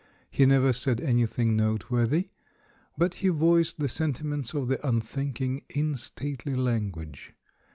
He never said anything note worthy, but he voiced the sentiments of the un thinking in stately language.